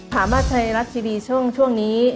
ถามมาไทยรัฐทีวีช่วงนี้